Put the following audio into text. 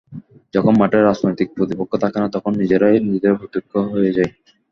যখন মাঠে রাজনৈতিক প্রতিপক্ষ থাকে না, তখন নিজেরাই নিজেদের প্রতিপক্ষ হয়ে যায়।